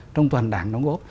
trong toàn đảng đóng góp